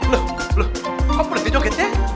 loh kok boleh dia jogetnya